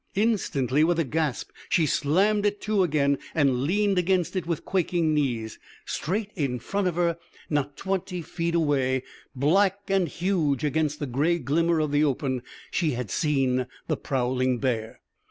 Instantly, with a gasp, she slammed it to again and leaned against it with quaking knees. Straight in front of her, not twenty feet away, black and huge against the gray glimmer of the open, she had seen the prowling bear.